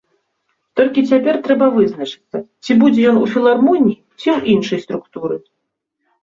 Толькі цяпер трэба вызначыцца, ці будзе ён у філармоніі, ці ў іншай структуры.